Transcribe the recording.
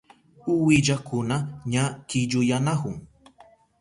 Uwillakuna ña killuyanahun.